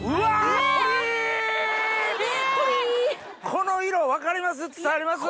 この色分かります？